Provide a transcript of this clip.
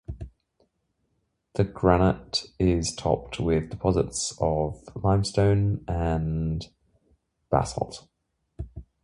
The granite is topped with deposits of limestone and basalt.